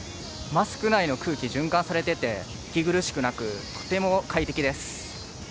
マスク内の空気、循環されてて息苦しくなくとても快適です。